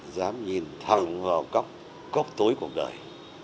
dám nhìn thẳng vào cốc tối cuộc đời